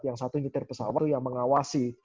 yang satu nyetir pesawat yang mengawasi